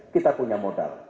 kita punya modal